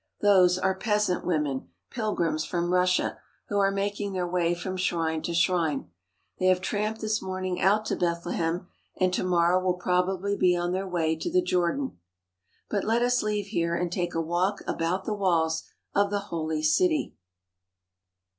Those are peasant women, pilgrims from Russia, who are making their way from shrine to shrine. They have tramped this morning out to Bethlehem, and to morrow will probably be on their way to the Jordan. But let us leave here and take a walk about the walls of the Holy City.